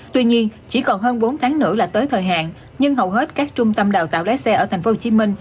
tuy nhiên chỉ còn hơn bốn tháng nữa là tới thời hạn nhưng hầu hết các trung tâm đào tạo lái xe ở tp hcm